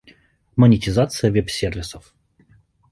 Монетизация веб-сервисов